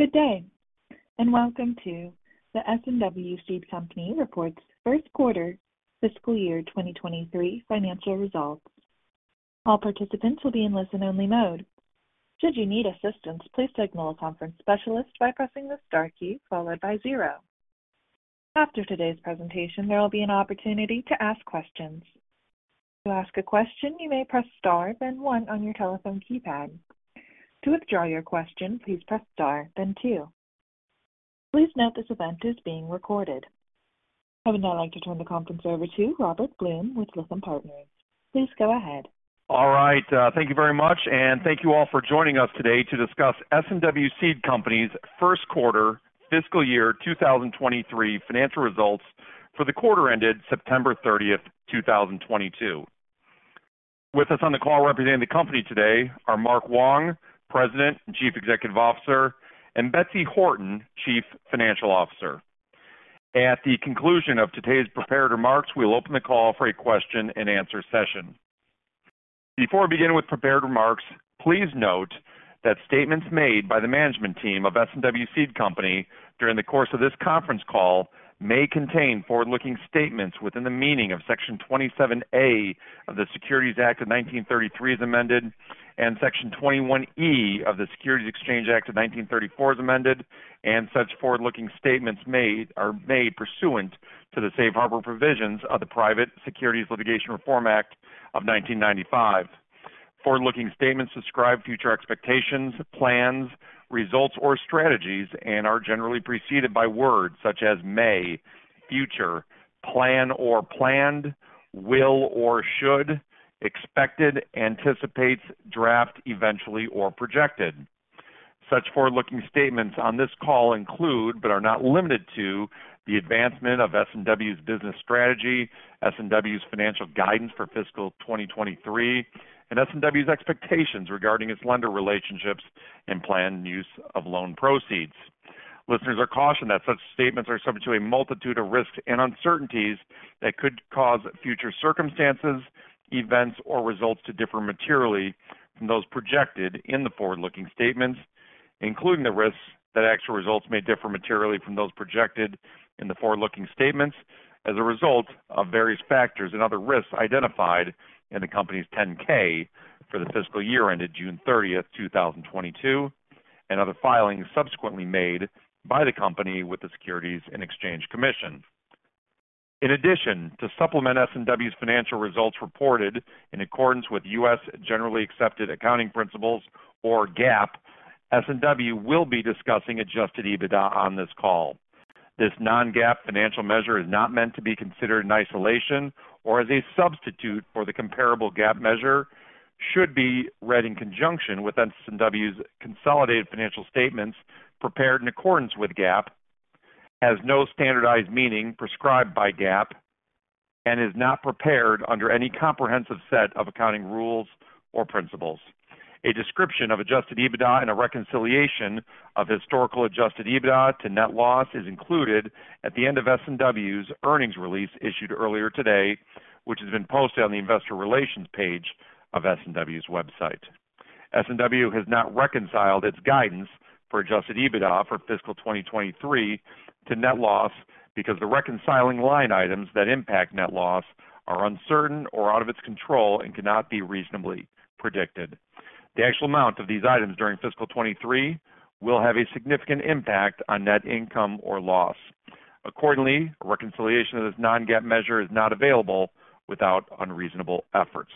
Good day, and welcome to the S&W Seed Company Reports First Quarter Fiscal Year 2023 Financial Results. All participants will be in listen-only mode. Should you need assistance, please signal a conference specialist by pressing the star key followed by zero. After today's presentation, there will be an opportunity to ask questions. To ask a question, you may press star then one on your telephone keypad. To withdraw your question, please press star then two. Please note this event is being recorded. I would now like to turn the conference over to Robert Blum with Lytham Partners. Please go ahead. All right. Thank you very much, and thank you all for joining us today to discuss S&W Seed Company's first quarter fiscal year 2023 financial results for the quarter ended September 30th, 2022. With us on the call representing the company today are Mark Wong, President and Chief Executive Officer, and Betsy Horton, Chief Financial Officer. At the conclusion of today's prepared remarks, we'll open the call for a question-and-answer session. Before we begin with prepared remarks, please note that statements made by the management team of S&W Seed Company during the course of this conference call may contain forward-looking statements within the meaning of Section 27A of the Securities Act of 1933 as amended, and Section 21E of the Securities Exchange Act of 1934 as amended, and such forward-looking statements made are made pursuant to the safe harbor provisions of the Private Securities Litigation Reform Act of 1995. Forward-looking statements describe future expectations, plans, results, or strategies and are generally preceded by words such as may, future, plan or planned, will or should, expected, anticipates, draft, eventually, or projected. Such forward-looking statements on this call include, but are not limited to, the advancement of S&W's business strategy, S&W's financial guidance for fiscal 2023, and S&W's expectations regarding its lender relationships and planned use of loan proceeds. Listeners are cautioned that such statements are subject to a multitude of risks and uncertainties that could cause future circumstances, events, or results to differ materially from those projected in the forward-looking statements, including the risks that actual results may differ materially from those projected in the forward-looking statements as a result of various factors and other risks identified in the company's 10-K for the fiscal year ended June 30th, 2022, and other filings subsequently made by the company with the Securities and Exchange Commission. In addition, to supplement S&W's financial results reported in accordance with U.S. generally accepted accounting principles or GAAP, S&W will be discussing Adjusted EBITDA on this call. This non-GAAP financial measure is not meant to be considered in isolation or as a substitute for the comparable GAAP measure, should be read in conjunction with S&W's consolidated financial statements prepared in accordance with GAAP, has no standardized meaning prescribed by GAAP and is not prepared under any comprehensive set of accounting rules or principles. A description of Adjusted EBITDA and a reconciliation of historical Adjusted EBITDA to net loss is included at the end of S&W's earnings release issued earlier today, which has been posted on the investor relations page of S&W's website. S&W has not reconciled its guidance for Adjusted EBITDA for fiscal 2023 to net loss because the reconciling line items that impact net loss are uncertain or out of its control and cannot be reasonably predicted. The actual amount of these items during fiscal 2023 will have a significant impact on net income or loss. Accordingly, reconciliation of this non-GAAP measure is not available without unreasonable efforts.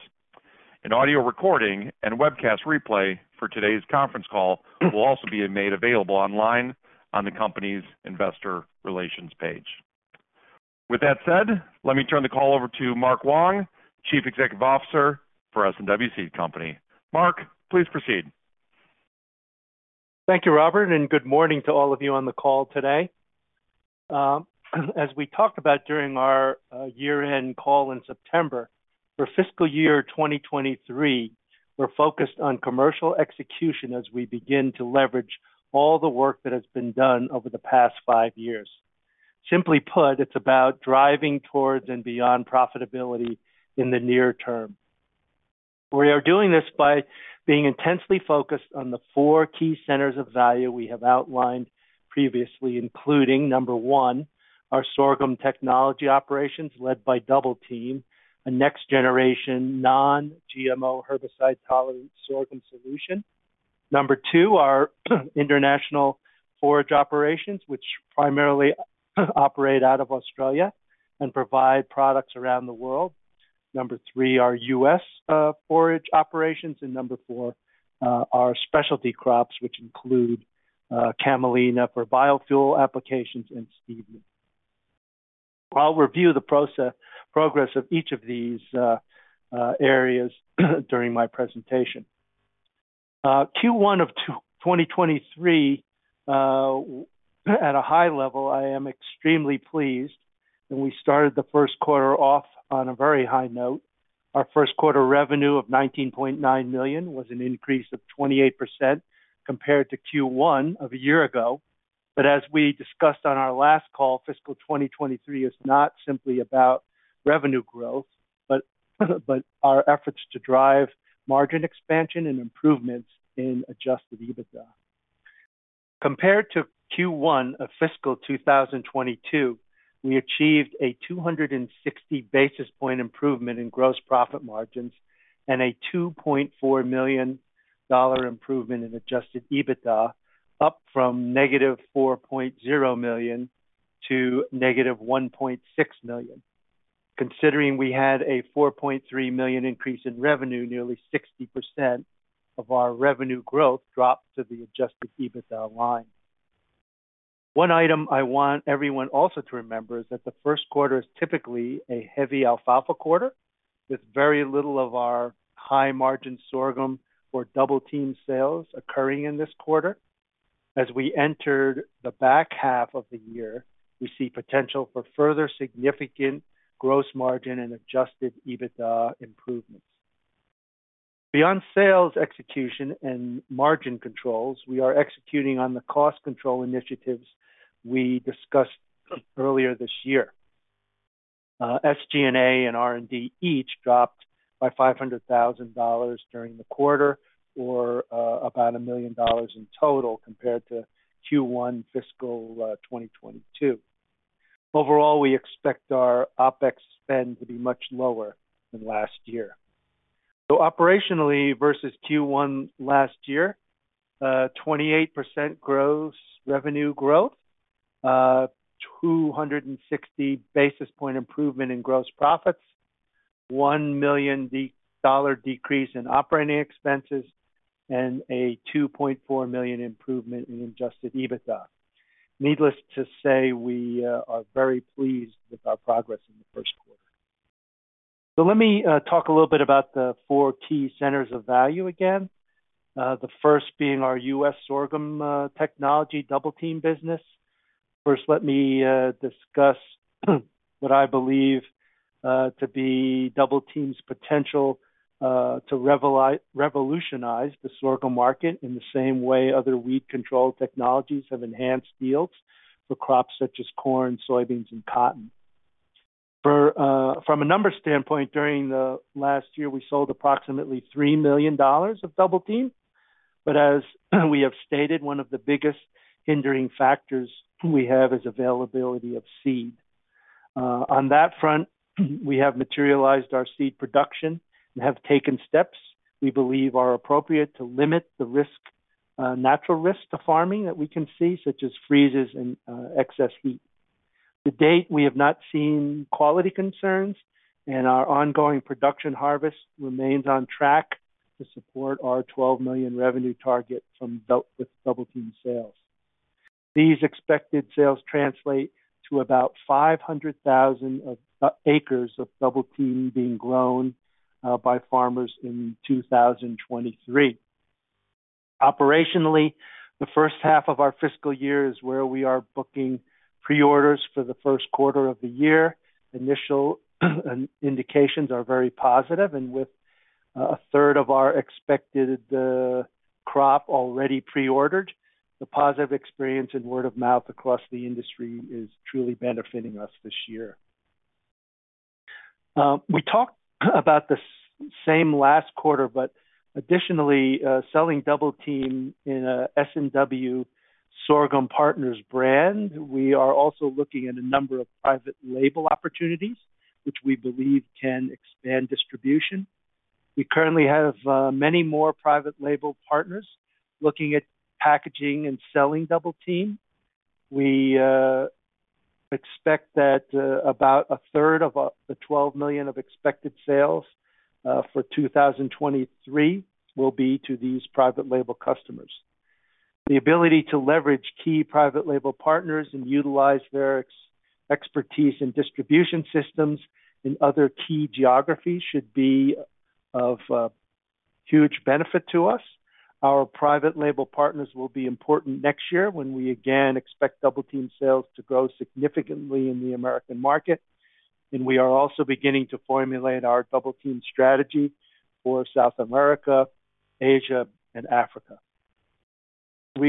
An audio recording and webcast replay for today's conference call will also be made available online on the company's investor relations page. With that said, let me turn the call over to Mark Wong, Chief Executive Officer for S&W Seed Company. Mark, please proceed. Thank you, Robert, and good morning to all of you on the call today. As we talked about during our year-end call in September, for fiscal year 2023, we're focused on commercial execution as we begin to leverage all the work that has been done over the past five years. Simply put, it's about driving towards and beyond profitability in the near term. We are doing this by being intensely focused on the four key centers of value we have outlined previously, including number one, our sorghum technology operations led by Double Team, a next generation non-GMO herbicide-tolerant sorghum solution. Number two, our international forage operations, which primarily operate out of Australia and provide products around the world. Number three, our U.S. forage operations. Number four, our specialty crops, which include Camelina for biofuel applications and stevia. I'll review the progress of each of these areas during my presentation. Q1 of 2023, at a high level, I am extremely pleased when we started the first quarter off on a very high note. Our first quarter revenue of $19.9 million was an increase of 28% compared to Q1 of a year ago. As we discussed on our last call, fiscal 2023 is not simply about revenue growth, but our efforts to drive margin expansion and improvements in Adjusted EBITDA. Compared to Q1 of fiscal 2022, we achieved a 260 basis point improvement in gross profit margins and a $2.4 million improvement in Adjusted EBITDA, up from -$4.0 million to -$1.6 million. Considering we had a $4.3 million increase in revenue, nearly 60% of our revenue growth dropped to the Adjusted EBITDA line. One item I want everyone also to remember is that the first quarter is typically a heavy alfalfa quarter, with very little of our high-margin sorghum or Double Team sales occurring in this quarter. As we entered the back half of the year, we see potential for further significant gross margin and Adjusted EBITDA improvements. Beyond sales execution and margin controls, we are executing on the cost control initiatives we discussed earlier this year. SG&A and R&D each dropped by $500,000 during the quarter or about $1 million in total compared to Q1 fiscal 2022. Overall, we expect our OpEx spend to be much lower than last year. Operationally versus Q1 last year, 28% gross revenue growth, 260 basis points improvement in gross margin, $1 million decrease in operating expenses, and a $2.4 million improvement in Adjusted EBITDA. Needless to say, we are very pleased with our progress in the first quarter. Let me talk a little bit about the four key centers of value again. The first being our U.S. sorghum technology Double Team business. First, let me discuss what I believe to be Double Team's potential to revolutionize the sorghum market in the same way other weed control technologies have enhanced yields for crops such as corn, soybeans, and cotton. From a numbers standpoint, during the last year, we sold approximately $3 million of Double Team, but as we have stated, one of the biggest hindering factors we have is availability of seed. On that front, we have materialized our seed production and have taken steps we believe are appropriate to limit the risk, natural risk to farming that we can see, such as freezes and excess heat. To date, we have not seen quality concerns, and our ongoing production harvest remains on track to support our $12 million revenue target from Double Team sales. These expected sales translate to about 500,000 acres of Double Team being grown by farmers in 2023. Operationally, the first half of our fiscal year is where we are booking pre-orders for the first quarter of the year. Initial indications are very positive, and with a third of our expected crop already pre-ordered, the positive experience and word of mouth across the industry is truly benefiting us this year. We talked about the same last quarter, but additionally, selling Double Team under the S&W Sorghum Partners brand, we are also looking at a number of private label opportunities which we believe can expand distribution. We currently have many more private label partners looking at packaging and selling Double Team. We expect that about a third of the $12 million of expected sales for 2023 will be to these private label customers. The ability to leverage key private label partners and utilize their expertise in distribution systems in other key geographies should be of huge benefit to us. Our private label partners will be important next year when we again expect Double Team sales to grow significantly in the American market, and we are also beginning to formulate our Double Team strategy for South America, Asia, and Africa. The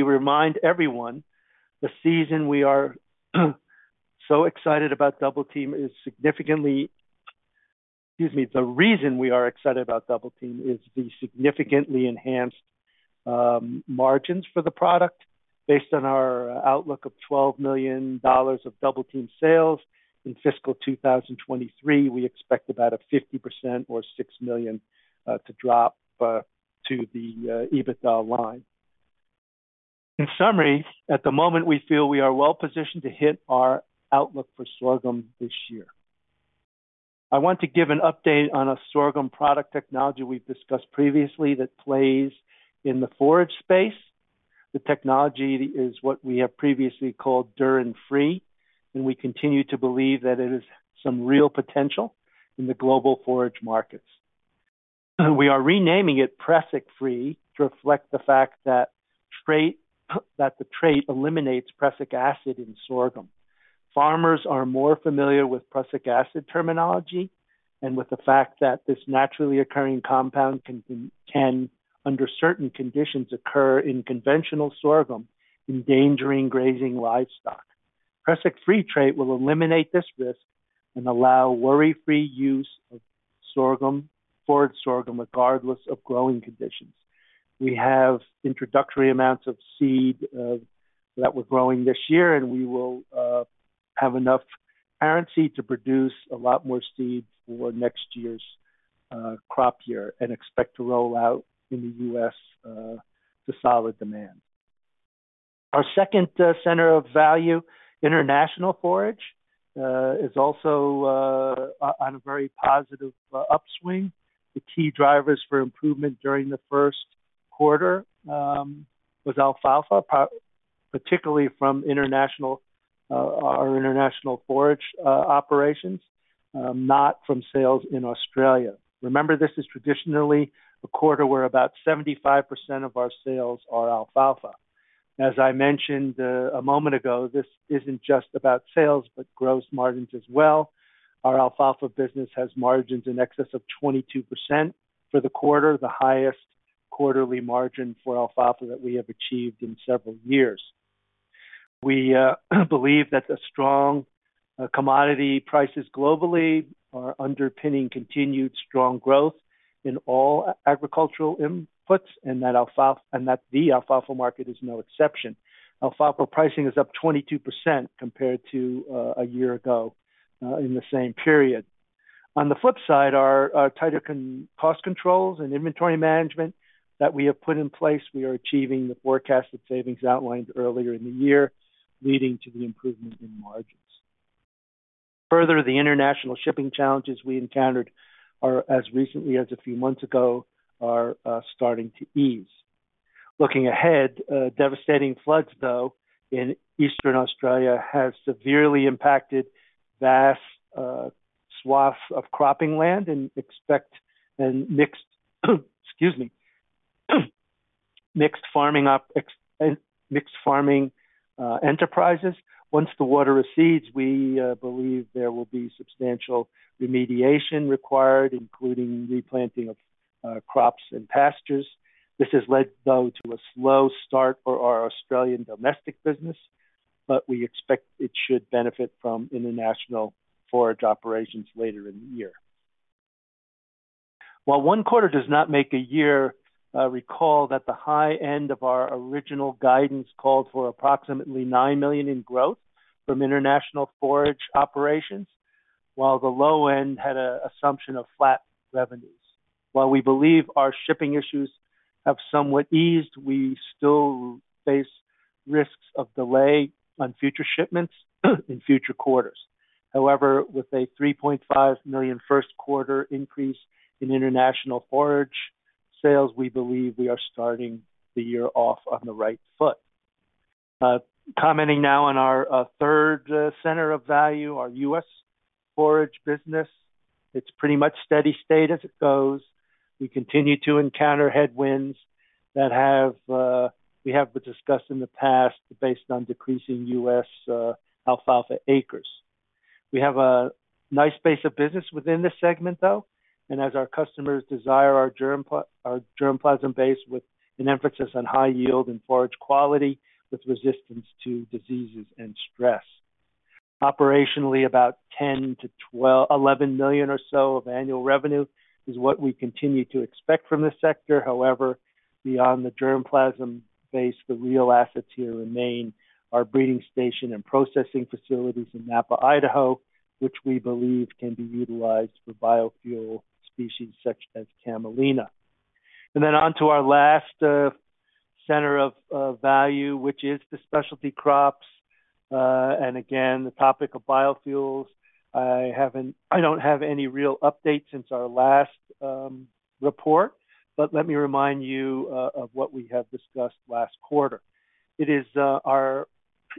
reason we are excited about Double Team is the significantly enhanced margins for the product. Based on our outlook of $12 million of Double Team sales in fiscal 2023, we expect about a 50% or $6 million to drop to the EBITDA line. In summary, at the moment, we feel we are well positioned to hit our outlook for sorghum this year. I want to give an update on a sorghum product technology we've discussed previously that plays in the forage space. The technology is what we have previously called Dhurrin-Free, and we continue to believe that it has some real potential in the global forage markets. We are renaming it Prussic- Free to reflect the fact that the trait eliminates prussic acid in sorghum. Farmers are more familiar with prussic acid terminology and with the fact that this naturally occurring compound can under certain conditions occur in conventional sorghum, endangering grazing livestock. Prussic Free trait will eliminate this risk and allow worry-free use of sorghum, forage sorghum, regardless of growing conditions. We have introductory amounts of seed that we're growing this year, and we will have enough parent seed to produce a lot more seed for next year's crop year and expect to roll out in the U.S. to solid demand. Our second center of value, international forage, is also on a very positive upswing. The key drivers for improvement during the first quarter was alfalfa, particularly from our international forage operations, not from sales in Australia. Remember, this is traditionally a quarter where about 75% of our sales are alfalfa. As I mentioned a moment ago, this isn't just about sales, but gross margins as well. Our alfalfa business has margins in excess of 22% for the quarter, the highest quarterly margin for alfalfa that we have achieved in several years. We believe that the strong commodity prices globally are underpinning continued strong growth in all agricultural inputs and that the alfalfa market is no exception. Alfalfa pricing is up 22% compared to a year ago in the same period. On the flip side, our tighter cost controls and inventory management that we have put in place, we are achieving the forecasted savings outlined earlier in the year, leading to the improvement in margins. Further, the international shipping challenges we encountered as recently as a few months ago are starting to ease. Looking ahead, devastating floods, though, in Eastern Australia has severely impacted vast swaths of cropping land and mixed farming enterprises. Once the water recedes, we believe there will be substantial remediation required, including replanting of crops and pastures. This has led, though, to a slow start for our Australian domestic business, but we expect it should benefit from international forage operations later in the year. While one quarter does not make a year, recall that the high end of our original guidance called for approximately $9 million in growth from international forage operations, while the low end had a assumption of flat revenues. While we believe our shipping issues have somewhat eased, we still face risks of delay on future shipments in future quarters. However, with a $3.5 million first quarter increase in international forage sales, we believe we are starting the year off on the right foot. Commenting now on our third center of value, our U.S. forage business. It's pretty much steady state as it goes. We continue to encounter headwinds that we have discussed in the past based on decreasing U.S. alfalfa acres. We have a nice base of business within this segment, though, and as our customers desire our germplasm base with an emphasis on high yield and forage quality with resistance to diseases and stress. Operationally, about $10 million-$11 million or so of annual revenue is what we continue to expect from this sector. However, beyond the germplasm base, the real assets here remain our breeding station and processing facilities in Nampa, Idaho, which we believe can be utilized for biofuel species such as Camelina. Our last center of value, which is the specialty crops, and again, the topic of biofuels. I don't have any real update since our last report, but let me remind you of what we have discussed last quarter. It is our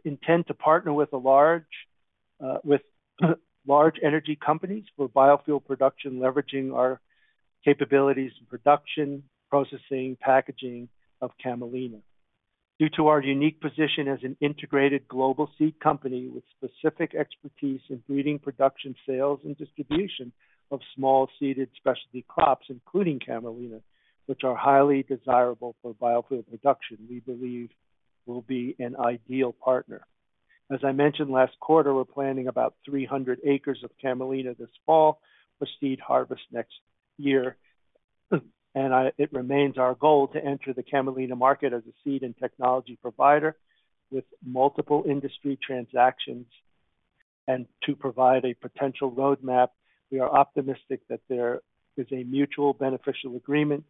intent to partner with large energy companies for biofuel production, leveraging our capabilities in production, processing, packaging of Camelina. Due to our unique position as an integrated global seed company with specific expertise in breeding, production, sales, and distribution of small seeded specialty crops, including Camelina, which are highly desirable for biofuel production, we believe we'll be an ideal partner. As I mentioned last quarter, we're planting about 300 acres of Camelina this fall for seed harvest next year. It remains our goal to enter the Camelina market as a seed and technology provider with multiple industry transactions and to provide a potential roadmap. We are optimistic that there is a mutually beneficial agreement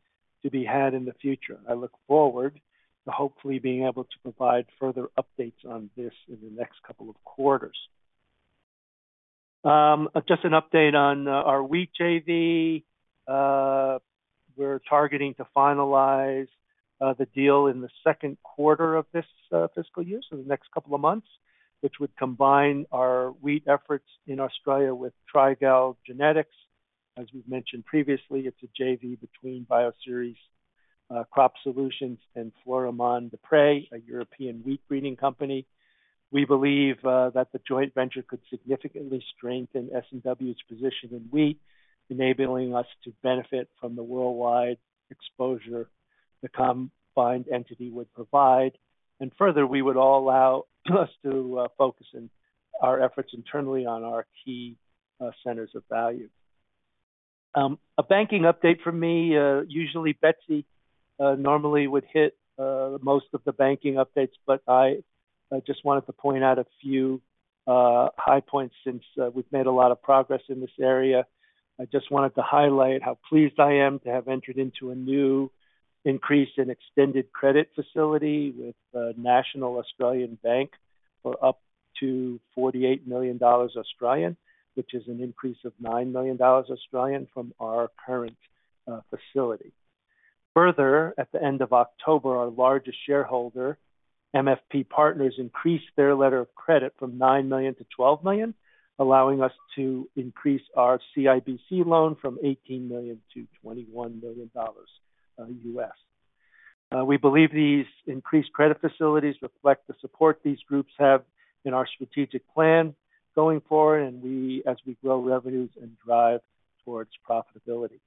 to be had in the future. I look forward to hopefully being able to provide further updates on this in the next couple of quarters. Just an update on our wheat JV. We're targeting to finalize the deal in the second quarter of this fiscal year, so the next couple of months, which would combine our wheat efforts in Australia with Trigall Genetics. As we've mentioned previously, it's a JV between Bioceres Crop Solutions and Florimond Desprez, a European wheat breeding company. We believe that the joint venture could significantly strengthen S&W's position in wheat, enabling us to benefit from the worldwide exposure the combined entity would provide. Further, we would allow us to focus in our efforts internally on our key centers of value. A banking update from me. Usually Betsy normally would hit most of the banking updates, but I just wanted to point out a few high points since we've made a lot of progress in this area. I just wanted to highlight how pleased I am to have entered into a new increased and extended credit facility with the National Australia Bank for up to 48 million Australian dollars, which is an increase of 9 million Australian dollars from our current facility. Further, at the end of October, our largest shareholder, MFP Partners, L.P., increased their letter of credit from $9 million to $12 million, allowing us to increase our CIBC loan from $18 million to $21 million. We believe these increased credit facilities reflect the support these groups have in our strategic plan going forward as we grow revenues and drive towards profitability.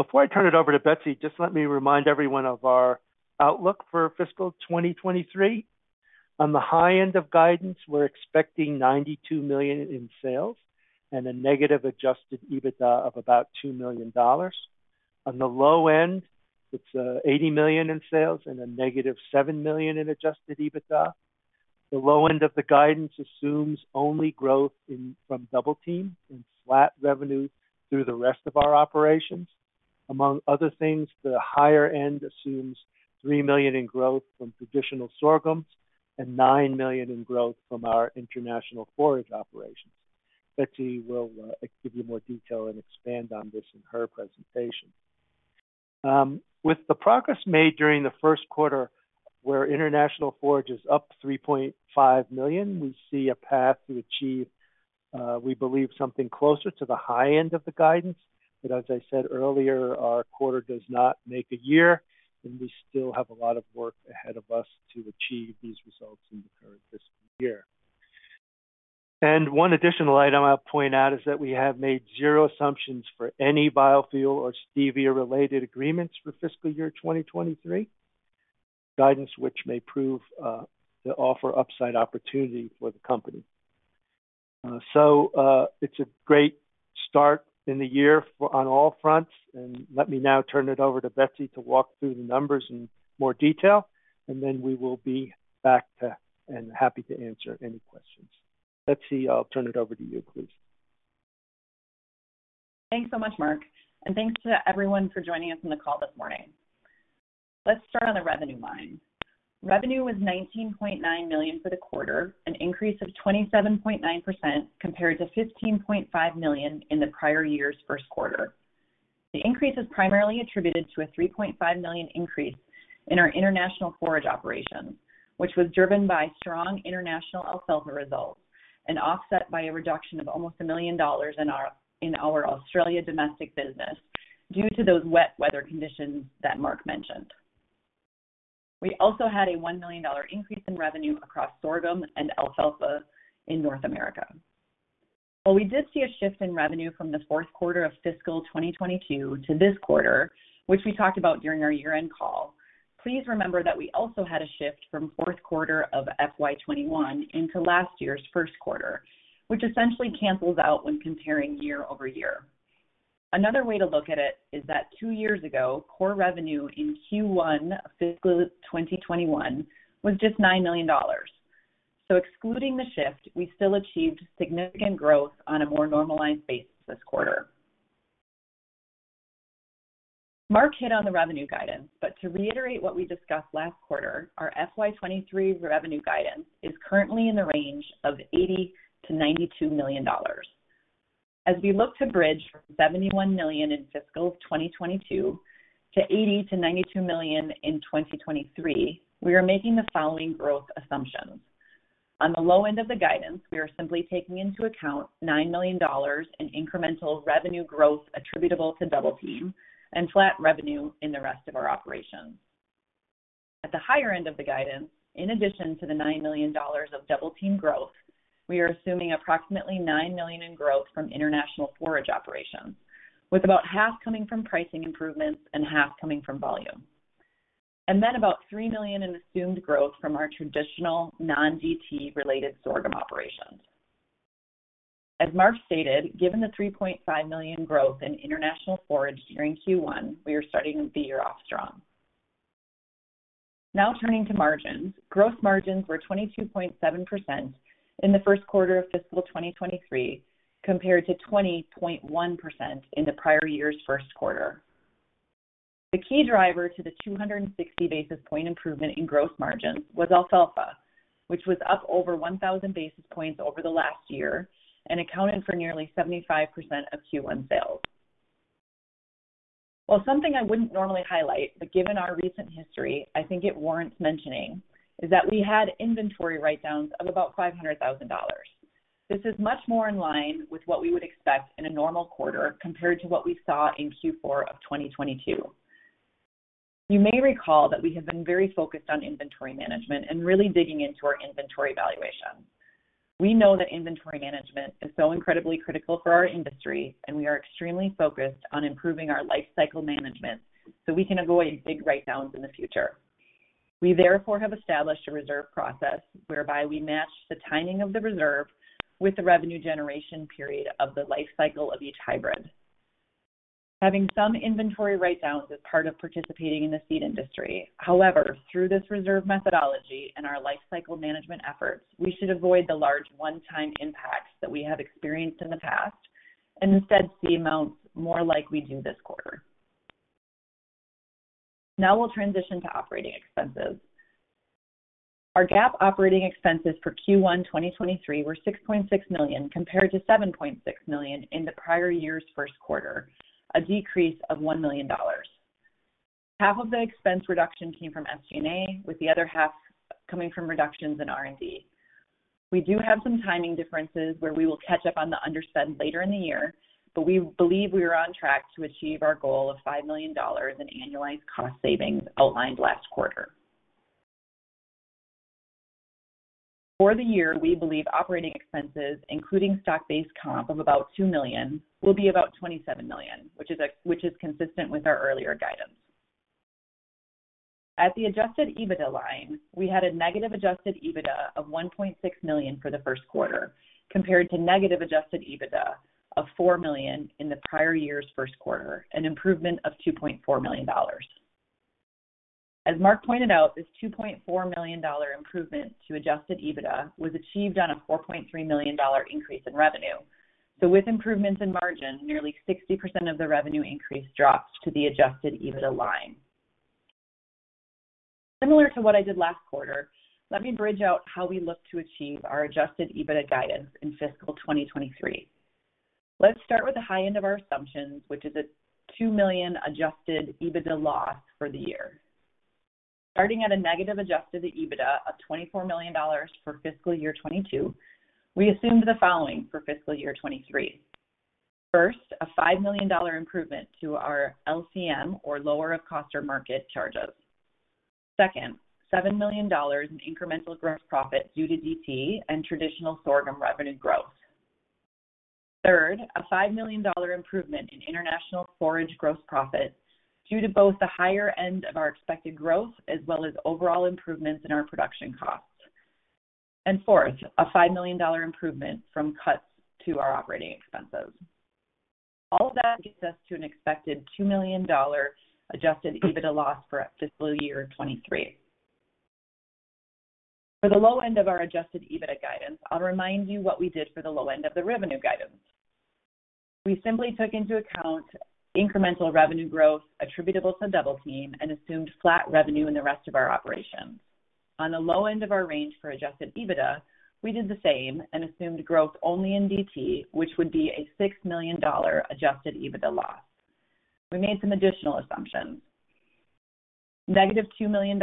Before I turn it over to Betsy, just let me remind everyone of our outlook for fiscal 2023. On the high end of guidance, we're expecting $92 million in sales and a negative Adjusted EBITDA of about $2 million. On the low end, it's $80 million in sales and a -$7 million in Adjusted EBITDA. The low end of the guidance assumes only growth from Double Team and flat revenue through the rest of our operations. Among other things, the higher end assumes $3 million in growth from traditional sorghums and $9 million in growth from our international forage operations. Betsy will give you more detail and expand on this in her presentation. With the progress made during the first quarter, where international forage is up $3.5 million, we see a path to achieve, we believe something closer to the high end of the guidance. As I said earlier, our quarter does not make a year, and we still have a lot of work ahead of us to achieve these results in the current fiscal year. One additional item I'll point out is that we have made zero assumptions for any biofuel or stevia-related agreements for fiscal year 2023, guidance which may prove to offer upside opportunity for the company. It's a great start in the year on all fronts. Let me now turn it over to Betsy to walk through the numbers in more detail, and then we will be back, and happy to answer any questions. Betsy, I'll turn it over to you, please. Thanks so much, Mark. Thanks to everyone for joining us on the call this morning. Let's start on the revenue line. Revenue was $19.9 million for the quarter, an increase of 27.9% compared to $15.5 million in the prior year's first quarter. The increase is primarily attributed to a $3.5 million increase in our international forage operations, which was driven by strong international alfalfa results and offset by a reduction of almost $1 million in our Australia domestic business due to those wet weather conditions that Mark mentioned. We also had a $1 million increase in revenue across sorghum and alfalfa in North America. While we did see a shift in revenue from the fourth quarter of fiscal 2022 to this quarter, which we talked about during our year-end call, please remember that we also had a shift from fourth quarter of FY 2021 into last year's first quarter, which essentially cancels out when comparing year-over-year. Another way to look at it is that two years ago, core revenue in Q1 of fiscal 2021 was just $9 million. Excluding the shift, we still achieved significant growth on a more normalized basis this quarter. Mark hit on the revenue guidance, but to reiterate what we discussed last quarter, our FY 2023 revenue guidance is currently in the range of $80 million-$92 million. As we look to bridge from $71 million in fiscal 2022 to $80 million-$92 million in 2023, we are making the following growth assumptions. On the low end of the guidance, we are simply taking into account $9 million in incremental revenue growth attributable to Double Team and flat revenue in the rest of our operations. At the higher end of the guidance, in addition to the $9 million of Double Team growth, we are assuming approximately $9 million in growth from international forage operations, with about half coming from pricing improvements and half coming from volume. About $3 million in assumed growth from our traditional non-DT related sorghum operations. As Mark stated, given the $3.5 million growth in international forage during Q1, we are starting the year off strong. Now turning to margins. Gross margins were 22.7% in the first quarter of fiscal 2023, compared to 20.1% in the prior year's first quarter. The key driver to the 260 basis point improvement in gross margins was alfalfa, which was up over 1,000 basis points over the last year and accounted for nearly 75% of Q1 sales. While something I wouldn't normally highlight, but given our recent history, I think it warrants mentioning, is that we had inventory write-downs of about $500,000. This is much more in line with what we would expect in a normal quarter compared to what we saw in Q4 of 2022. You may recall that we have been very focused on inventory management and really digging into our inventory valuation. We know that inventory management is so incredibly critical for our industry, and we are extremely focused on improving our life cycle management so we can avoid big write-downs in the future. We therefore have established a reserve process whereby we match the timing of the reserve with the revenue generation period of the life cycle of each hybrid. Having some inventory write-downs is part of participating in the seed industry. However, through this reserve methodology and our life cycle management efforts, we should avoid the large one-time impacts that we have experienced in the past, and instead see amounts more like we do this quarter. Now we'll transition to operating expenses. Our GAAP operating expenses for Q1 2023 were $6.6 million compared to $7.6 million in the prior year's first quarter, a decrease of $1 million. Half of the expense reduction came from SG&A, with the other half coming from reductions in R&D. We do have some timing differences where we will catch up on the underspend later in the year, but we believe we are on track to achieve our goal of $5 million in annualized cost savings outlined last quarter. For the year, we believe operating expenses, including stock-based comp of about $2 million, will be about $27 million, which is consistent with our earlier guidance. At the Adjusted EBITDA line, we had a negative Adjusted EBITDA of $1.6 million for the first quarter, compared to negative Adjusted EBITDA of $4 million in the prior year's first quarter, an improvement of $2.4 million. As Mark pointed out, this $2.4 million improvement to Adjusted EBITDA was achieved on a $4.3 million increase in revenue. With improvements in margin, nearly 60% of the revenue increase dropped to the Adjusted EBITDA line. Similar to what I did last quarter, let me bridge out how we look to achieve our Adjusted EBITDA guidance in fiscal 2023. Let's start with the high end of our assumptions, which is a $2 million Adjusted EBITDA loss for the year. Starting at a negative Adjusted EBITDA of $24 million for fiscal year 2022, we assumed the following for fiscal year 2023. First, a $5 million improvement to our LCM or lower of cost or market charges. Second, $7 million in incremental gross profit due to DT and traditional sorghum revenue growth. Third, a $5 million improvement in international forage gross profit due to both the higher end of our expected growth as well as overall improvements in our production costs. Fourth, a $5 million improvement from cuts to our operating expenses. All of that gets us to an expected $2 million Adjusted EBITDA loss for fiscal year 2023. For the low end of our Adjusted EBITDA guidance, I'll remind you what we did for the low end of the revenue guidance. We simply took into account incremental revenue growth attributable to Double Team and assumed flat revenue in the rest of our operations. On the low end of our range for Adjusted EBITDA, we did the same and assumed growth only in DT, which would be a $6 million Adjusted EBITDA loss. We made some additional assumptions. -$2 million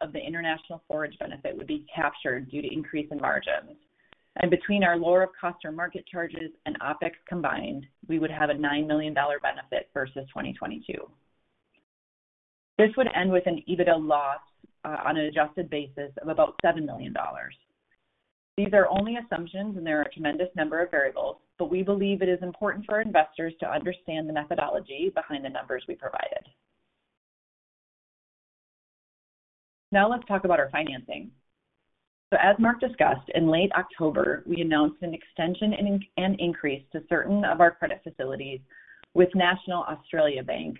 of the international forage benefit would be captured due to increase in margins. Between our lower of cost or market charges and OpEx combined, we would have a $9 million benefit versus 2022. This would end with an EBITDA loss on an adjusted basis of about $7 million. These are only assumptions, and there are a tremendous number of variables, but we believe it is important for our investors to understand the methodology behind the numbers we provided. Now let's talk about our financing. As Mark discussed, in late October, we announced an extension and an increase to certain of our credit facilities with National Australia Bank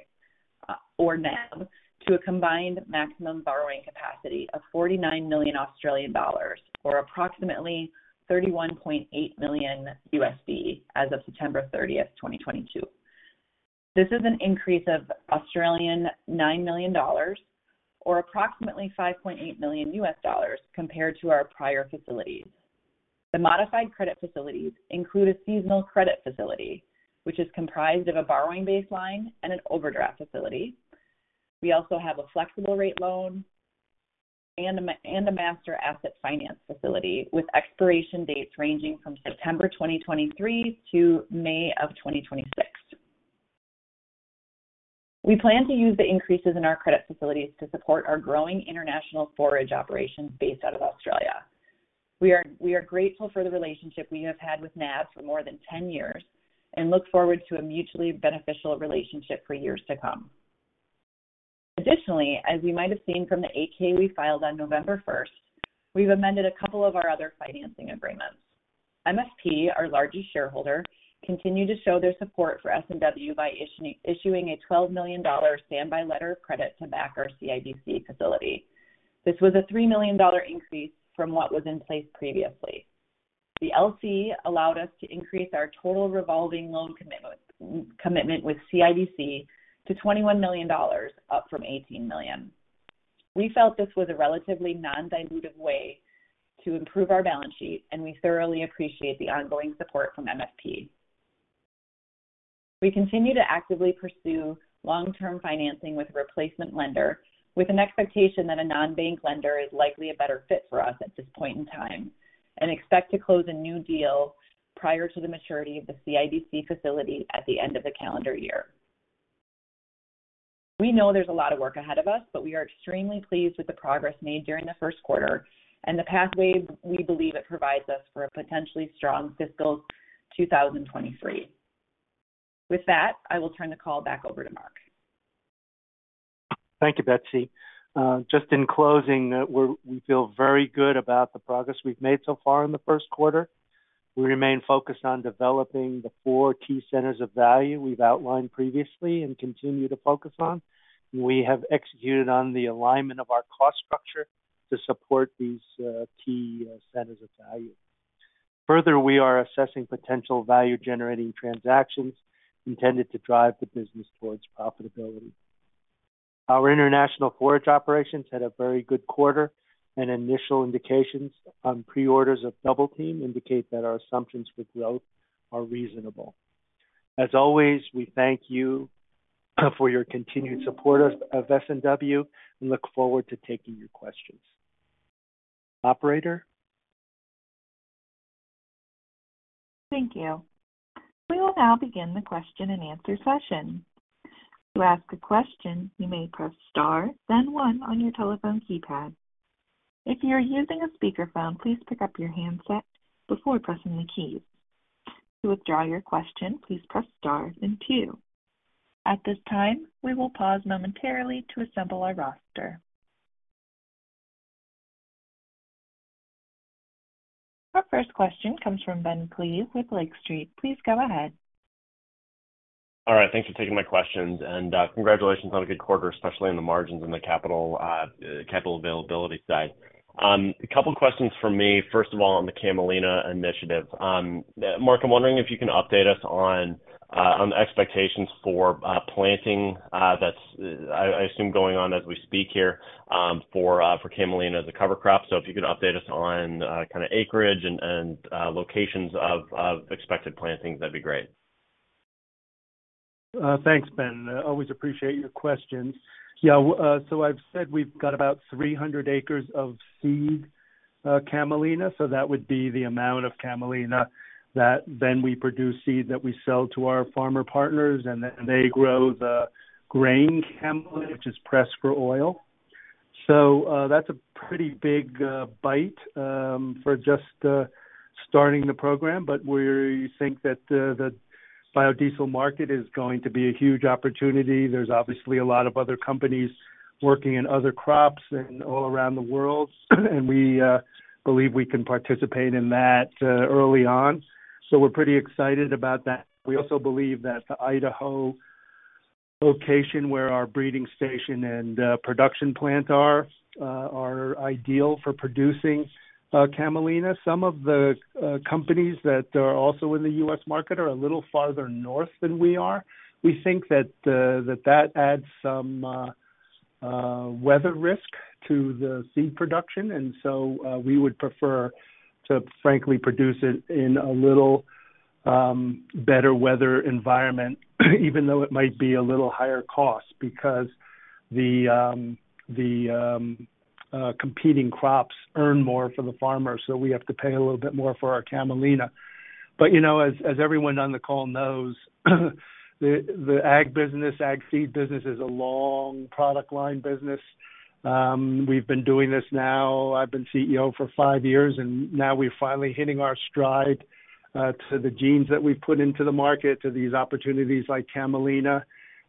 or NAB to a combined maximum borrowing capacity of 49 million Australian dollars or approximately $31.8 million as of September 30th, 2022. This is an increase of 9 million Australian dollars, or approximately $5.8 million compared to our prior facilities. The modified credit facilities include a seasonal credit facility, which is comprised of a borrowing baseline and an overdraft facility. We also have a flexible rate loan and a master asset finance facility with expiration dates ranging from September 2023 to May 2026. We plan to use the increases in our credit facilities to support our growing international forage operations based out of Australia. We are grateful for the relationship we have had with NAB for more than 10 years and look forward to a mutually beneficial relationship for years to come. Additionally, as you might have seen from the 8-K we filed on November 1st, we have amended a couple of our other financing agreements. MFP, our largest shareholder, continued to show their support for S&W by issuing a $12 million standby letter of credit to back our CIBC facility. This was a $3 million increase from what was in place previously. The LC allowed us to increase our total revolving loan commitment with CIBC to $21 million, up from $18 million. We felt this was a relatively non-dilutive way to improve our balance sheet, and we thoroughly appreciate the ongoing support from MFP. We continue to actively pursue long-term financing with a replacement lender, with an expectation that a non-bank lender is likely a better fit for us at this point in time, and expect to close a new deal prior to the maturity of the CIBC facility at the end of the calendar year. We know there's a lot of work ahead of us, but we are extremely pleased with the progress made during the first quarter and the pathways we believe it provides us for a potentially strong fiscal 2023. With that, I will turn the call back over to Mark. Thank you, Betsy. Just in closing, we feel very good about the progress we've made so far in the first quarter. We remain focused on developing the four key centers of value we've outlined previously and continue to focus on. We have executed on the alignment of our cost structure to support these key centers of value. Further, we are assessing potential value-generating transactions intended to drive the business towards profitability. Our international forage operations had a very good quarter, and initial indications on pre-orders of Double Team indicate that our assumptions for growth are reasonable. As always, we thank you for your continued support of S&W and look forward to taking your questions. Operator? Thank you. We will now begin the question-and-answer session. To ask a question, you may press star then one on your telephone keypad. If you are using a speakerphone, please pick up your handset before pressing the keys. To withdraw your question, please press star then two. At this time, we will pause momentarily to assemble our roster. Our first question comes from Ben Klieve with Lake Street. Please go ahead. All right. Thanks for taking my questions, and congratulations on a good quarter, especially on the margins and the capital availability side. A couple questions from me. First of all, on the Camelina initiative. Mark, I'm wondering if you can update us on the expectations for planting I assume going on as we speak here for Camelina as a cover crop. If you could update us on kind of acreage and locations of expected plantings, that'd be great. Thanks, Ben. I always appreciate your questions. Yeah. So I've said we've got about 300 acres of seed Camelina. That would be the amount of Camelina that then we produce seed that we sell to our farmer partners, and then they grow the grain Camelina, which is pressed for oil. That's a pretty big bite for just starting the program. We think that the biodiesel market is going to be a huge opportunity. There's obviously a lot of other companies working in other crops and all around the world, and we believe we can participate in that early on. We're pretty excited about that. We also believe that the Idaho location where our breeding station and production plants are ideal for producing Camelina. Some of the companies that are also in the U.S. market are a little farther north than we are. We think that adds some weather risk to the seed production. We would prefer to frankly produce it in a little better weather environment, even though it might be a little higher cost because the competing crops earn more for the farmers, so we have to pay a little bit more for our Camelina. You know, as everyone on the call knows, the ag business, ag seed business is a long product line business. We've been doing this now, I've been CEO for five years, and now we're finally hitting our stride to the genes that we put into the market, to these opportunities like Camelina.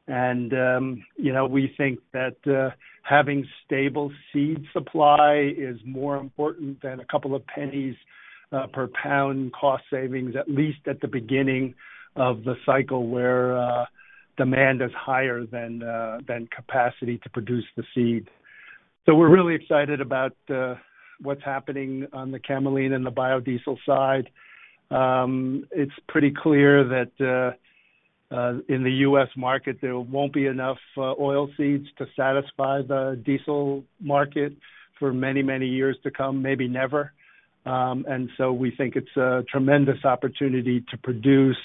you know, we think that having stable seed supply is more important than a couple of pennies per pound cost savings, at least at the beginning of the cycle, where demand is higher than capacity to produce the seed. We're really excited about what's happening on the Camelina and the biodiesel side. It's pretty clear that in the U.S. market, there won't be enough oil seeds to satisfy the diesel market for many, many years to come, maybe never. We think it's a tremendous opportunity to produce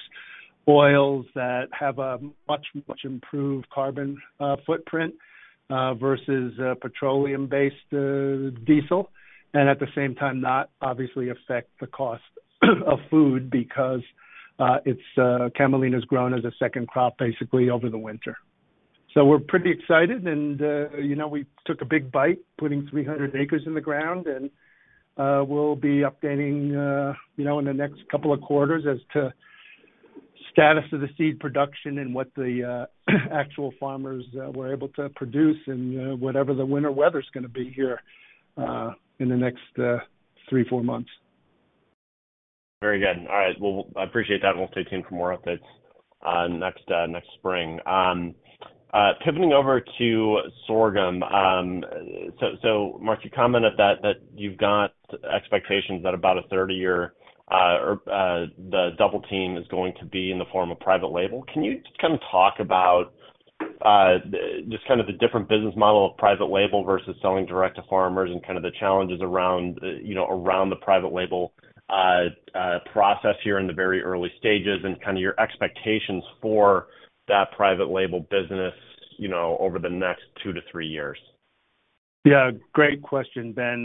oils that have a much, much improved carbon footprint versus petroleum-based diesel. At the same time, not obviously affect the cost of food because it's Camelina's grown as a second crop basically over the winter. We're pretty excited and, you know, we took a big bite putting 300 acres in the ground, and, we'll be updating, you know, in the next couple of quarters as to status of the seed production and what the actual farmers were able to produce and, whatever the winter weather's gonna be here, in the next three-four months. Very good. All right. Well, I appreciate that, and we'll stay tuned for more updates next spring. Pivoting over to sorghum. Mark, you commented that you've got expectations that about a third of your or the Double Team is going to be in the form of private label. Can you just kind of talk about just kind of the different business model of private label versus selling direct to farmers and kind of the challenges around, you know, the private label process here in the very early stages and kind of your expectations for that private label business, you know, over the next two to three years. Yeah. Great question, Ben.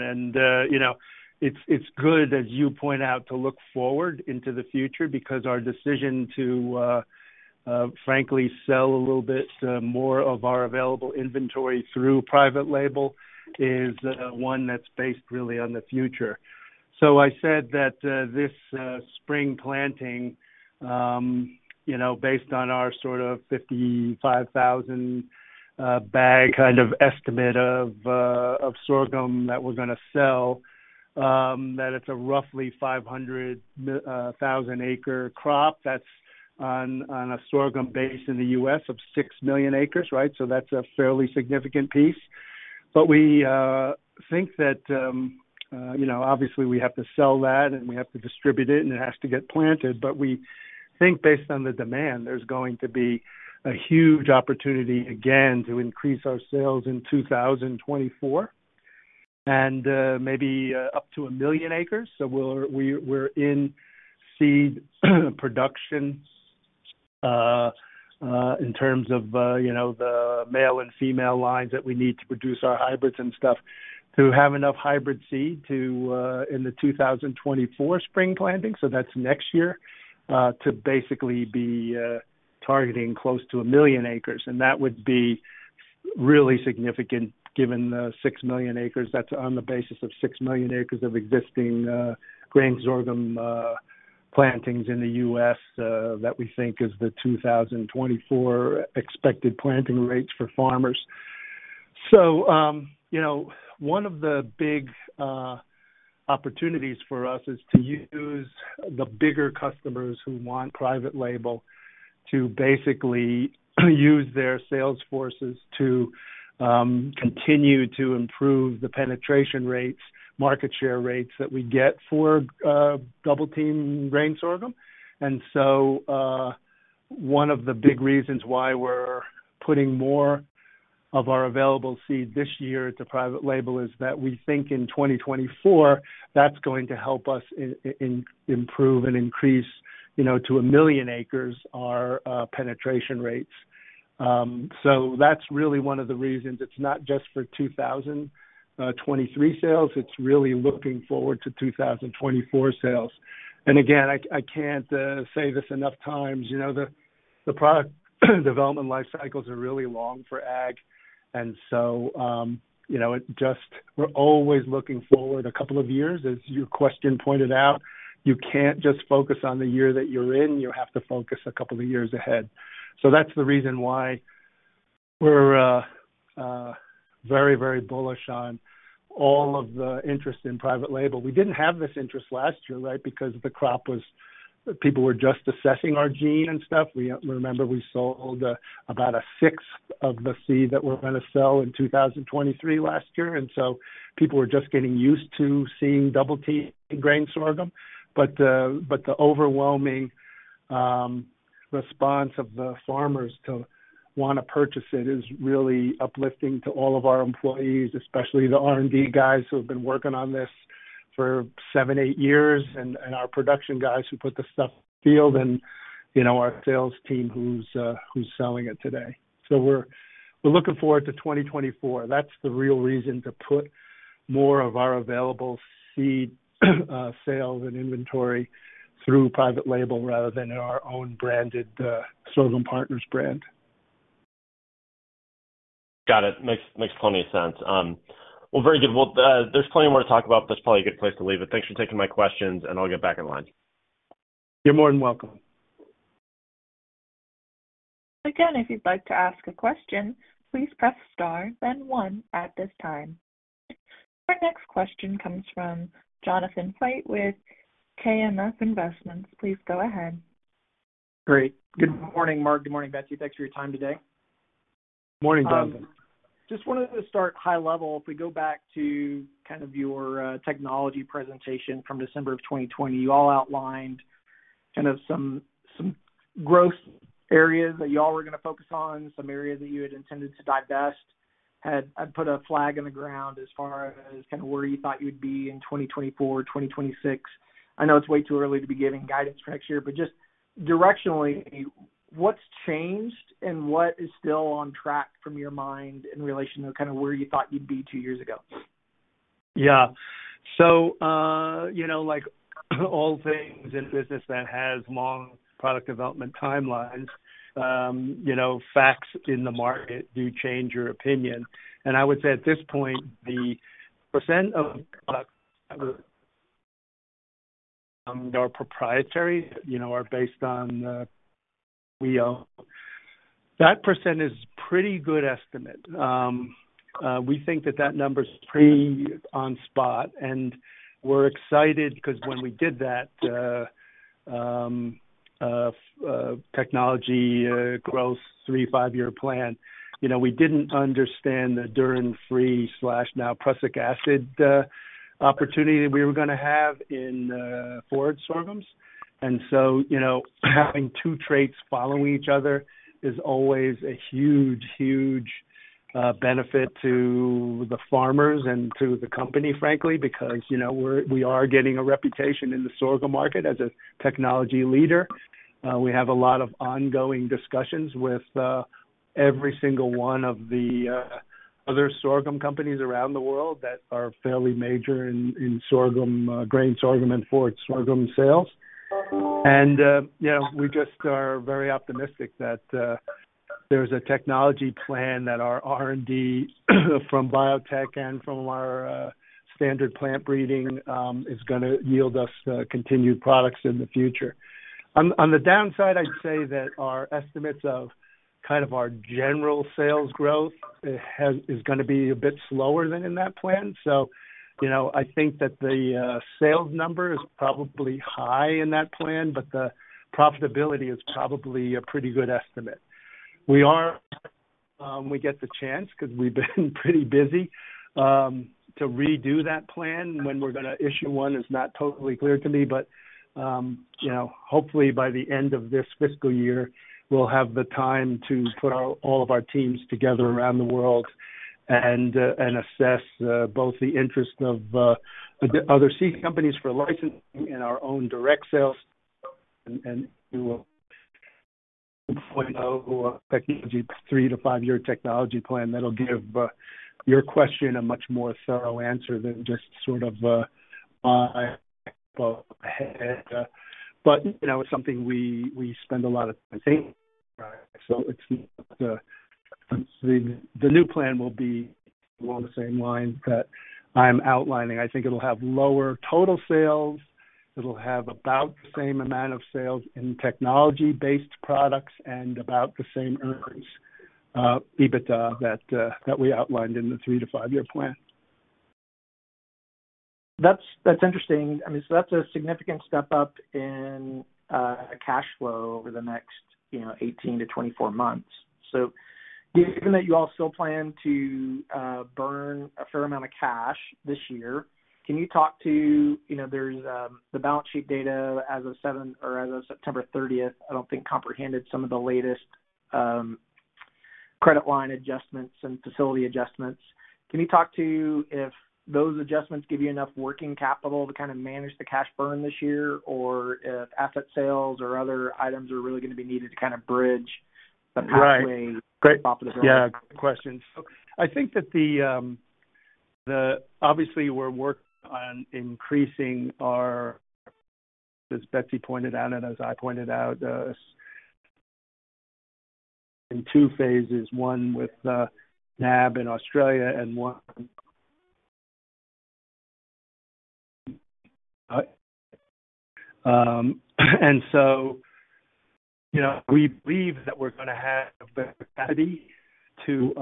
You know, it's good, as you point out, to look forward into the future because our decision to frankly sell a little bit more of our available inventory through private label is one that's based really on the future. I said that this spring planting, you know, based on our sort of 55,000 bag kind of estimate of sorghum that we're gonna sell, that it's a roughly 500,000-acre crop. That's on a sorghum base in the U.S. of 6 million acres, right? That's a fairly significant piece. We think that, you know, obviously we have to sell that, and we have to distribute it, and it has to get planted. We think based on the demand, there's going to be a huge opportunity, again, to increase our sales in 2024, and maybe up to 1 million acres. We're in seed production in terms of you know, the male and female lines that we need to produce our hybrids and stuff to have enough hybrid seed to in the 2024 spring planting, so that's next year, to basically be targeting close to 1 million acres. That would be really significant given the 6 million acres. That's on the basis of 6 million acres of existing grain sorghum plantings in the U.S., that we think is the 2024 expected planting rates for farmers. You know, one of the big opportunities for us is to use the bigger customers who want private label to basically use their sales forces to continue to improve the penetration rates, market share rates that we get for Double Team Grain Sorghum. One of the big reasons why we're putting more of our available seed this year to private label is that we think in 2024, that's going to help us improve and increase, you know, to 1 million acres, our penetration rates. That's really one of the reasons. It's not just for 2023 sales, it's really looking forward to 2024 sales. Again, I can't say this enough times, you know, the product development life cycles are really long for ag. You know, we're always looking forward a couple of years. As your question pointed out, you can't just focus on the year that you're in, you have to focus a couple of years ahead. That's the reason why we're very bullish on all of the interest in private label. We didn't have this interest last year, right, because people were just assessing our gene and stuff. Remember we sold about a sixth of the seed that we're gonna sell in 2023 last year, and people were just getting used to seeing Double Team Grain Sorghum. The overwhelming response of the farmers to wanna purchase it is really uplifting to all of our employees, especially the R&D guys who have been working on this for seven, eight years, and our production guys who put the stuff in the field, and, you know, our sales team who's selling it today. We're looking forward to 2024. That's the real reason to put more of our available seed sales and inventory through private label rather than in our own branded Sorghum Partners brand. Got it. Makes plenty of sense. Very good. There's plenty more to talk about, but that's probably a good place to leave it. Thanks for taking my questions, and I'll get back in line. You're more than welcome. Again, if you'd like to ask a question, please press Star then one at this time. Our next question comes from Jonathon Fite with KMF Investments. Please go ahead. Great. Good morning, Mark. Good morning, Betsy. Thanks for your time today. Morning, Jonathon. Just wanted to start high level. If we go back to kind of your technology presentation from December of 2020, you all outlined kind of some growth areas that y'all were gonna focus on, some areas that you had intended to divest, had put a flag in the ground as far as kinda where you thought you'd be in 2024, 2026. I know it's way too early to be giving guidance for next year, but just directionally, what's changed and what is still on track from your mind in relation to kinda where you thought you'd be two years ago? Yeah. You know, like all things in business that has long product development timelines, you know, facts in the market do change your opinion. I would say at this point, the percent of our proprietary, you know, are based on we own. That percent is pretty good estimate. We think that number's pretty spot on, and we're excited because when we did that technology growth three-five-year plan, you know, we didn't understand the Dhurrin-Free now Prussic Acid-Free opportunity that we were going to have in forage sorghums. You know, having two traits following each other is always a huge benefit to the farmers and to the company, frankly, because, you know, we are getting a reputation in the sorghum market as a technology leader. We have a lot of ongoing discussions with every single one of the other sorghum companies around the world that are fairly major in sorghum grain sorghum and forage sorghum sales. You know, we just are very optimistic that there's a technology plan that our R&D from biotech and from our standard plant breeding is gonna yield us continued products in the future. On the downside, I'd say that our estimates of kind of our general sales growth is gonna be a bit slower than in that plan. You know, I think that the sales number is probably high in that plan, but the profitability is probably a pretty good estimate. We get the chance because we've been pretty busy to redo that plan. When we're gonna issue one is not totally clear to me, but you know, hopefully by the end of this fiscal year, we'll have the time to put all of our teams together around the world and assess both the interest of other seed companies for licensing and our own direct sales. We will put out a three- to five-year technology plan that'll give your question a much more thorough answer than just sort of ahead. You know, it's something we spend a lot of time thinking. It's the new plan will be along the same lines that I'm outlining. I think it'll have lower total sales. It'll have about the same amount of sales in technology-based products and about the same earnings, EBITDA, that we outlined in the three- to five-year plan. That's interesting. I mean, that's a significant step up in cash flow over the next 18-24 months. Given that you all still plan to burn a fair amount of cash this year, can you talk to, you know, there's the balance sheet data as of seven or as of September 30th, I don't think comprehended some of the latest credit line adjustments and facility adjustments. Can you talk to if those adjustments give you enough working capital to kind of manage the cash burn this year? If asset sales or other items are really going to be needed to kind of bridge the pathway. Right. To profitability. Yeah, great questions. I think that obviously we're working on increasing our, as Betsy pointed out and as I pointed out, in two phases, one with NAB in Australia and one. You know, we believe that we're gonna have the ability to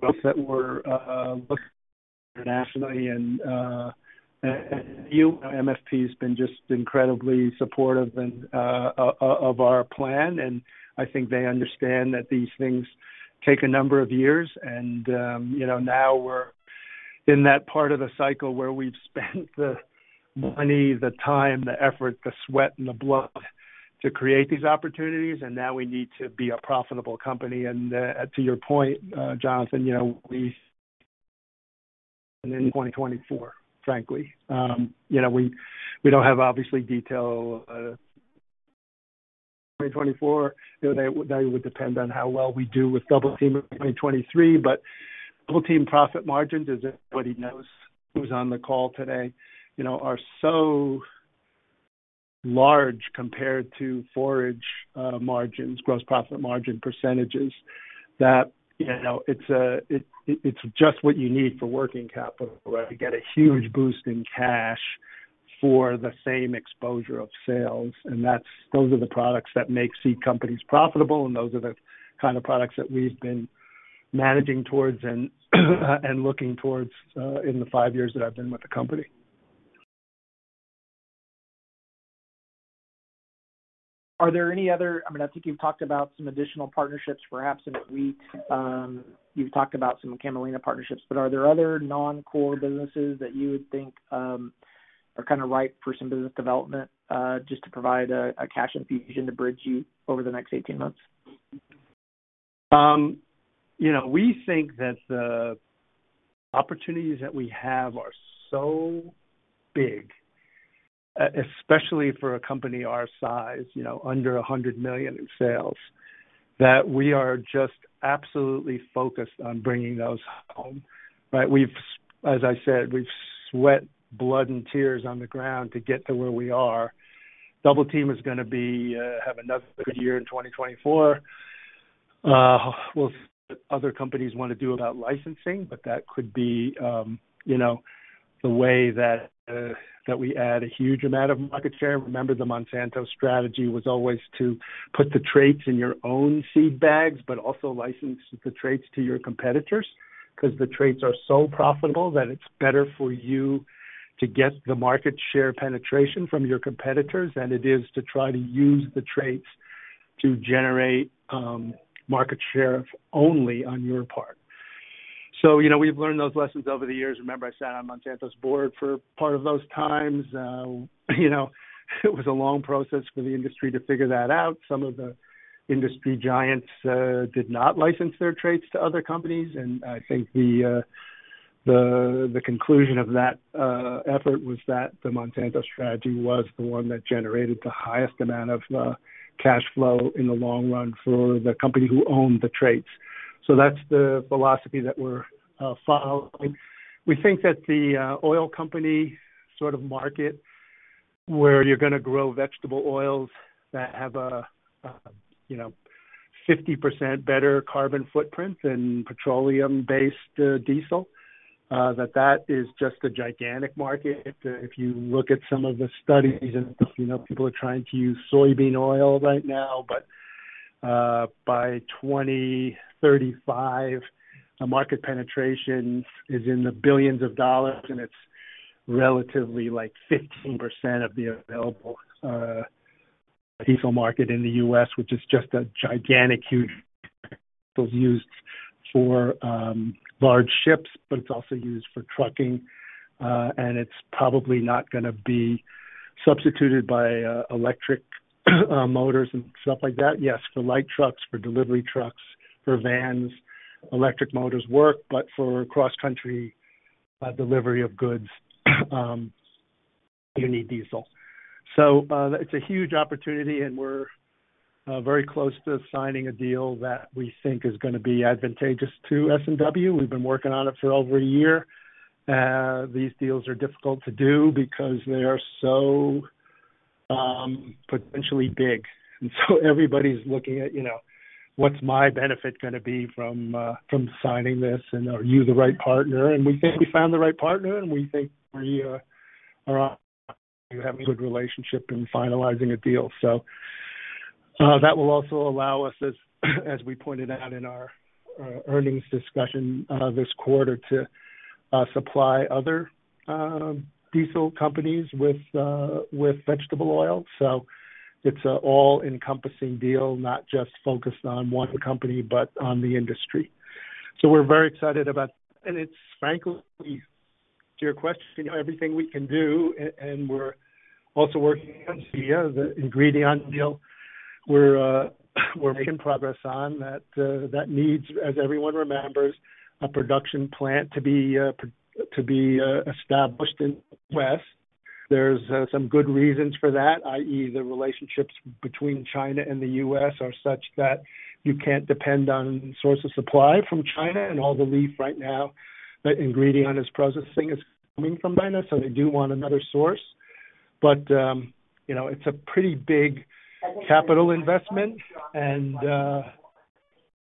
both that we're looking internationally and MFP has been just incredibly supportive of our plan, and I think they understand that these things take a number of years. You know, now we're in that part of the cycle where we've spent the money, the time, the effort, the sweat, and the blood to create these opportunities, and now we need to be a profitable company. To your point, Jonathon, you know, we in 2024, frankly. You know, we don't have obviously detail, 2024. You know, that would depend on how well we do with Double Team in 2023. Double Team profit margins, as everybody knows who's on the call today, you know, are so large compared to forage margins, gross profit margin percentages, that, you know, it's just what you need for working capital to get a huge boost in cash for the same exposure of sales. That's those are the products that make seed companies profitable, and those are the kind of products that we've been managing towards and looking towards in the five years that I've been with the company. Are there any other? I mean, I think you've talked about some additional partnerships, perhaps in wheat. You've talked about some Camelina partnerships, but are there other non-core businesses that you would think are kind of ripe for some business development, just to provide a cash infusion to bridge you over the next 18 months? You know, we think that the opportunities that we have are so big, especially for a company our size, you know, under $100 million in sales, that we are just absolutely focused on bringing those home, right? As I said, we've sweat blood and tears on the ground to get to where we are. Double Team is gonna have another good year in 2024. Whether other companies want to do about licensing, but that could be, you know, the way that we add a huge amount of market share. Remember, the Monsanto strategy was always to put the traits in your own seed bags, but also license the traits to your competitors because the traits are so profitable that it's better for you to get the market share penetration from your competitors than it is to try to use the traits to generate market share only on your part. You know, we've learned those lessons over the years. Remember, I sat on Monsanto's board for part of those times. You know, it was a long process for the industry to figure that out. Some of the industry giants did not license their traits to other companies. I think the conclusion of that effort was that the Monsanto strategy was the one that generated the highest amount of cash flow in the long run for the company who owned the traits. That's the philosophy that we're following. We think that the oil company sort of market where you're gonna grow vegetable oils that have a you know 50% better carbon footprint than petroleum-based diesel that is just a gigantic market. If you look at some of the studies and you know people are trying to use soybean oil right now but by 2035 the market penetration is in the billions of dollars and it's relatively like 15% of the available diesel market in the U.S. which is just a gigantic huge use for large ships but it's also used for trucking. It's probably not gonna be substituted by electric motors and stuff like that. Yes, for light trucks, for delivery trucks, for vans, electric motors work, but for cross-country delivery of goods, you need diesel. It's a huge opportunity, and we're very close to signing a deal that we think is gonna be advantageous to S&W. We've been working on it for over a year. These deals are difficult to do because they are so potentially big. Everybody's looking at, you know, what's my benefit gonna be from signing this, and are you the right partner? We think we found the right partner, and we think we are on to have a good relationship in finalizing a deal. That will also allow us, as we pointed out in our earnings discussion this quarter, to supply other diesel companies with vegetable oil. It's an all-encompassing deal, not just focused on one company, but on the industry. We're very excited about it. It's frankly, to your question, everything we can do. We're also working on the ingredient deal we're making progress on. That needs, as everyone remembers, a production plant to be established in the West. There's some good reasons for that, i.e., the relationships between China and the U.S. are such that you can't depend on source of supply from China. All the leaf right now that ingredient is processing is coming from China, so they do want another source. You know, it's a pretty big capital investment.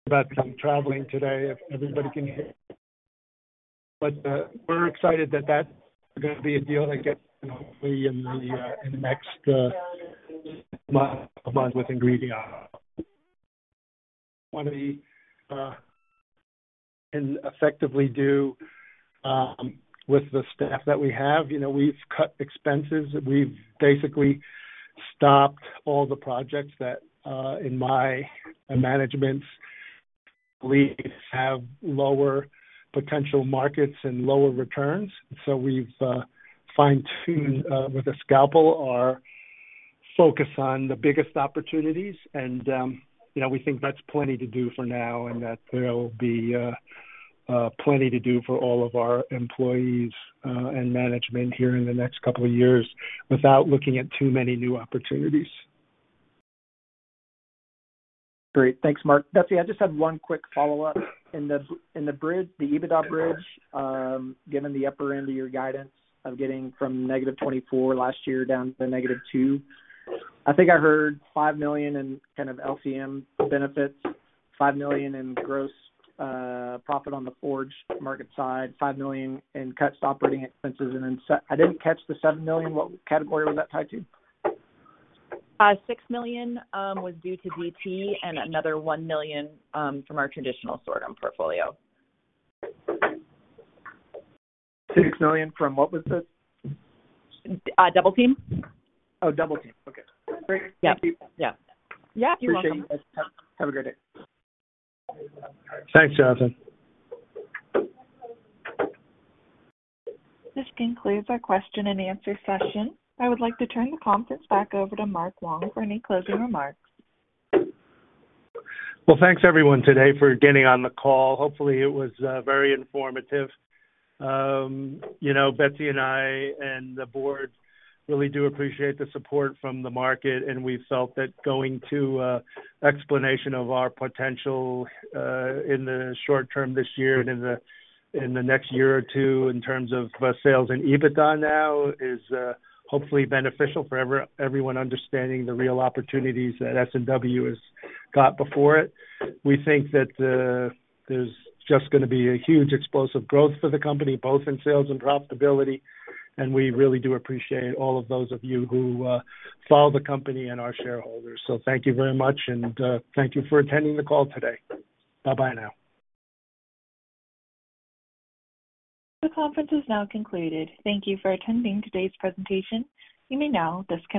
About traveling today, if everybody can hear. We're excited that that is gonna be a deal that gets, you know, hopefully in the next month with ingredient. We want to and effectively do with the staff that we have. You know, we've cut expenses. We've basically stopped all the projects that in my management's beliefs have lower potential markets and lower returns. We've fine-tuned with a scalpel our focus on the biggest opportunities. You know, we think that's plenty to do for now and that there'll be plenty to do for all of our employees and management here in the next couple of years without looking at too many new opportunities. Great. Thanks, Mark. Betsy, I just have one quick follow-up. In the bridge, the EBITDA bridge, given the upper end of your guidance of getting from -$24 last year down to -$2, I think I heard $5 million in kind of LCM benefits, $5 million in gross profit on the forage market side, $5 million in cuts to operating expenses, and then I didn't catch the $7 million. What category was that tied to? $6 million was due to DT and another $1 million from our traditional sorghum portfolio. $6 million from, what was it? Double Team. Oh, Double Team. Okay, great. Thank you. Yeah. Yeah. You're welcome. Appreciate you guys. Have a great day. Thanks, Jonathon. This concludes our question and answer session. I would like to turn the conference back over to Mark Wong for any closing remarks. Well, thanks everyone today for getting on the call. Hopefully, it was very informative. You know, Betsy and I and the board really do appreciate the support from the market, and we felt that going to an explanation of our potential in the short term this year and the next year or two in terms of sales and EBITDA now is hopefully beneficial for everyone understanding the real opportunities that S&W has got before it. We think that there's just gonna be a huge explosive growth for the company, both in sales and profitability. We really do appreciate all of those of you who follow the company and our shareholders. So thank you very much, and thank you for attending the call today. Bye-bye now. The conference is now concluded. Thank you for attending today's presentation. You may now disconnect.